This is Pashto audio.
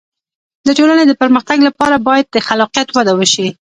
د ټولنې د پرمختګ لپاره باید د خلاقیت وده وشي.